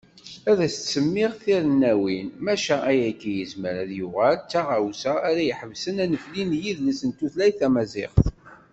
Ad asent-semmiɣ tirennawin, maca ayagi yezmer ad yuɣal d taɣawsa ara iḥebsen anefli n yidles d tutlayt tamaziɣt.